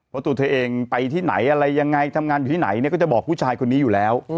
ตัวเธอเองไปที่ไหนอะไรยังไงทำงานอยู่ที่ไหนเนี่ยก็จะบอกผู้ชายคนนี้อยู่แล้ว